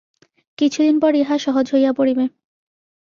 কিছুদিন পর ইহা সহজ হইয়া পড়িবে।